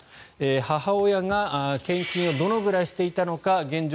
母親が献金をどのぐらいしていたのか現状